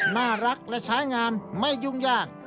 น่ารักและใช้งานไม่ยุ่งยาก